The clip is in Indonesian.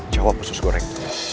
jawab khusus goreng